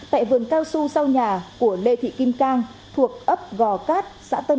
tại vườn cao su sau nhà của lê thị kim cang thuộc ấp gòi